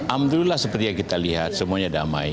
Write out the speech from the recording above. alhamdulillah seperti yang kita lihat semuanya damai